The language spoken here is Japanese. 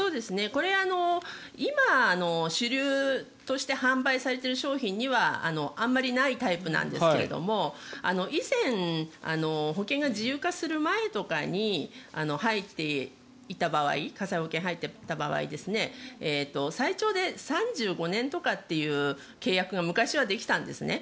これ、今、主流として販売されている商品にはあまりないタイプなんですけど以前、保険が自由化する前とかに火災保険に入っていた場合最長で３５年とかっていう契約が昔はできたんですね。